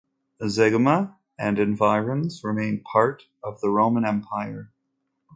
Zeugma and environs remained part of the Roman empire.